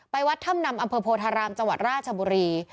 วัดถ้ำนำอำเภอโพธารามจังหวัดราชบุรี